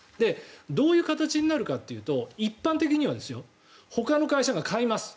どういう形になるかというと一般的にはですよほかの会社が買います。